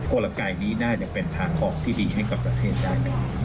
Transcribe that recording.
กลไกนี้น่าจะเป็นทางออกที่ดีให้กับประเทศได้